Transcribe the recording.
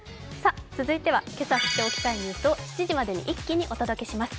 続いては今朝知っておきたいニュースをまとめてお届けします。